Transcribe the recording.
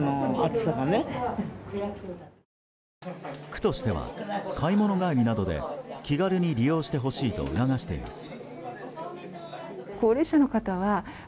区としては買い物帰りなどで気軽に利用してほしいと促しています。